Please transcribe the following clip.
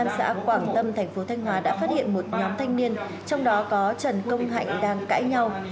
công tâm thành phố thanh hóa đã phát hiện một nhóm thanh niên trong đó có trần công hạnh đang cãi nhau